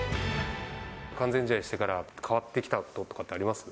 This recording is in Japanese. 完全試合してから、変わってきたこととかってあります？